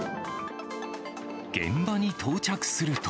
現場に到着すると。